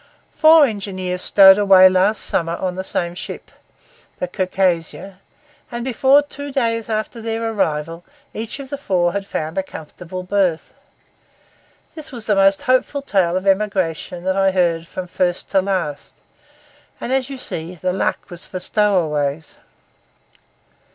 Four engineers stowed away last summer on the same ship, the Circassia; and before two days after their arrival each of the four had found a comfortable berth. This was the most hopeful tale of emigration that I heard from first to last; and as you see, the luck was for stowaways.